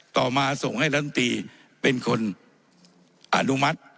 ต่อมาส่งให้ลำตีเป็นคนอนุมัติ